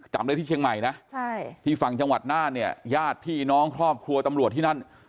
จำได้ที่เชียงใหม่นะที่ฝั่งจังหวัดน่านเนี่ยญาติพี่น้องครอบครัวตำรวจที่นั่น